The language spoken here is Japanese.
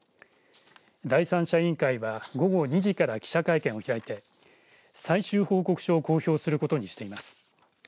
第三者委員会は午後２時から記者会見を開いて最終報告書を公表することにしています。